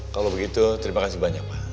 kalau begitu terima kasih banyak pak